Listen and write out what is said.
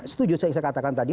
setuju saya katakan tadi